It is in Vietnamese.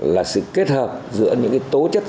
là sự kết hợp giữa những tố chất